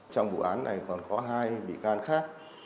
trong vụ án này còn có hai bị can khác